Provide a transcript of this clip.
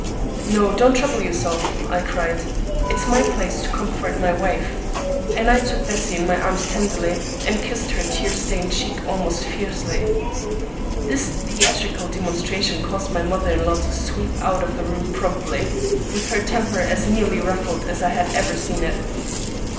"No, don't trouble yourself," I cried. "It's my place to comfort my wife." And I took Bessie in my arms tenderly, and kissed her tear stained cheek almost fiercely. This theatrical demonstration caused my mother in law to sweep out of the room promptly, with her temper as nearly ruffled as I had ever seen it.